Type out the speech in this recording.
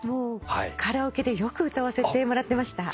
カラオケでよく歌わせてもらいました。